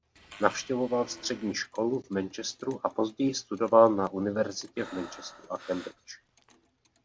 Navštěvoval střední školu v Manchesteru a později studoval na univerzitě v Manchesteru a Cambridge.